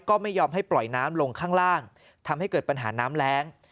ก็ไม่ยอมให้ปล่อยน้ำลงข้างล่างทำให้เกิดปัญหาน้ำแรง